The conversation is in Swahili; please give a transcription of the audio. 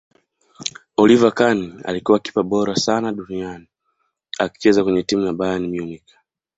oliver khan alikuwa kipa bora sana duniani akicheza kwenye timu ya bayern munich